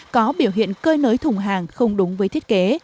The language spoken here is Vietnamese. có biểu hiện cơi nới thùng hàng không đúng với thiết kế